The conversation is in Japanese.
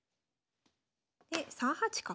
で３八角。